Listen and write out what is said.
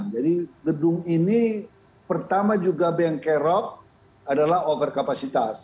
jadi gedung ini pertama juga yang kerok adalah overkapasitas